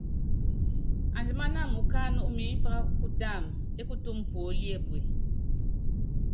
Andimánáma ukánɛ umimfá kutáma ékutúmu puóli epue.